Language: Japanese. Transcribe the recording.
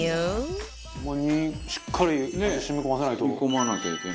「しっかり味染み込ませないと」